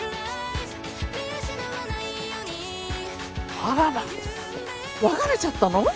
あらま別れちゃったの？